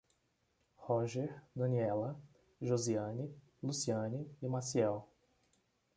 Róger, Daniela, Josiane, Luciane e Maciel